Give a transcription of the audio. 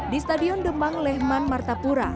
di stadion demang lehman martapura